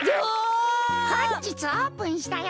ほんじつオープンしたよ。